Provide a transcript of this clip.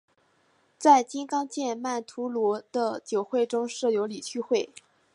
在金刚界曼荼罗的九会中设有理趣会。